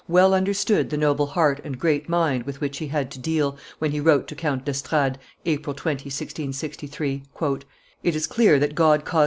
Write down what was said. well understood the noble heart and great mind with which he had to deal, when he wrote to Count d'Estrades, April 20, 1663, "It is clear that God caused M.